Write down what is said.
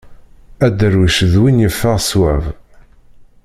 Adarwic d win yeffeɣ swab.